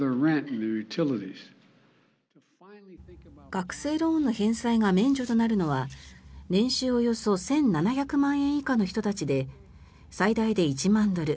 学生ローンの返済が免除となるのは年収およそ１７００万円以下の人たちで最大で１万ドル